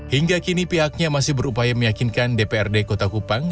hingga kini pihaknya masih berupaya meyakinkan dprd kota kupang